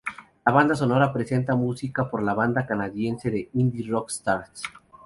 La banda sonora presenta música por la banda canadiense de indie rock Stars.